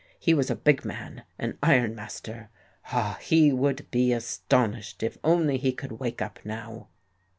He was a big man, an iron master. Ah, he would be astonished if only he could wake up now!"